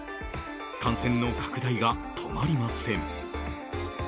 感染の拡大が止まりません。